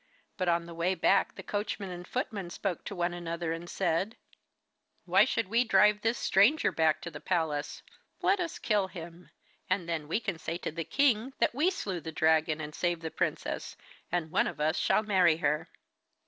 But on the way back the coachman and footman spoke to one another and said: 'Why should we drive this stranger back to the palace? Let us kill him, and then we can say to the king that we slew the dragon and saved the princess, and one of us shall marry her.